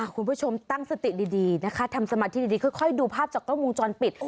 คุณผู้ชมตั้งสติดีนะคะทำสมาธิดีค่อยดูภาพจากกล้องวงจรปิด